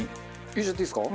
入れちゃっていいですか？